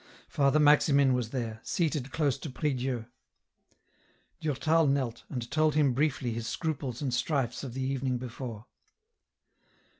Father Maximin was there, seated close to prie Dieu. Durtal knelt, and told him briefly his scruples and strifes of the evening before.